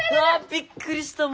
びっくりしたもう。